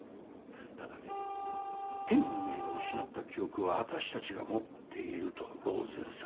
ただねヘミングウェイが失った記憶は私たちが持っているとローゼンさんは言うんです。